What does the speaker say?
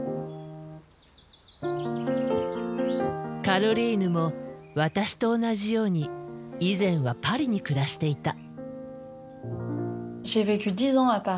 カロリーヌも私と同じように以前はパリに暮らしていた。